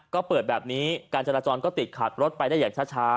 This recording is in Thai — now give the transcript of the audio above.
ก็เปิดแบบนี้การจราจรก็ติดขับรถไปได้อย่างช้า